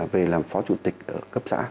về làm phó chủ tịch ở cấp xã